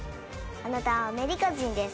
あなたはアメリカ人です。